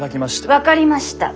分かりました。